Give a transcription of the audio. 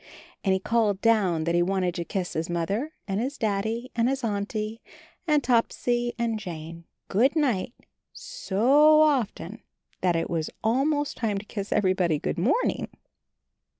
And he called down that he wanted to kiss his Mother and his Daddy and his Auntie and Topsy and Jane, "Good night," so often that it was almost time to kiss everybody "Good morning."